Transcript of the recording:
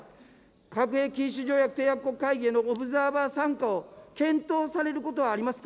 核兵器禁止条約締約国会合へのオブザーバー参加を検討されることはありますか。